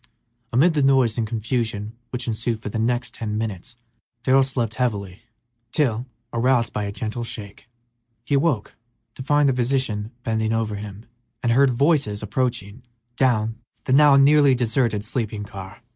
Amid the noise and confusion which ensued for the next ten minutes Darrell slept heavily, till, roused by a gentle shake, he awoke to find the physician bending over him and heard voices approaching down the now nearly deserted sleeping car.